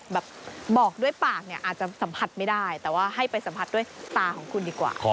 บอกด้วยปากเนี่ยอาจจะสัมผัสไม่ได้แต่ว่าให้ไปสัมผัสด้วยตาของคุณดีกว่า